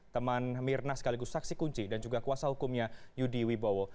teman mirna sekaligus saksi kunci dan juga kuasa hukumnya yudi wibowo